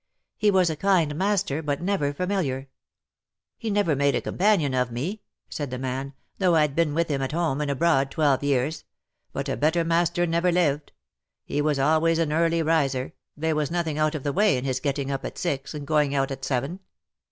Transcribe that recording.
He was a kind master but never familiar. " He never made a companion of me," said the man_, " though I^d been with him at home and abroad twelve years ; but a better master never lived. He was always an early riser — there was nothing out of the way in his getting up at six^ and going out at seven.